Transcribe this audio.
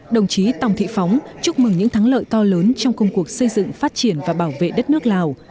đồng chí tòng thị phóng chúc mừng những thắng lợi to lớn trong công cuộc xây dựng phát triển và bảo vệ đất nước lào